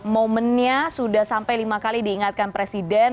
momennya sudah sampai lima kali diingatkan presiden